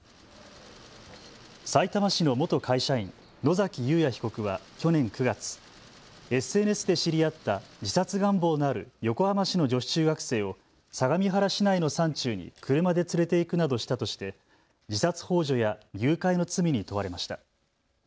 さいたま市の元会社員、野崎祐也被告は去年９月、ＳＮＳで知り合った自殺願望のある横浜市の女子中学生を相模原市内の山中に車で連れていくなどしたとして自殺ほう助や誘拐の罪に問われました。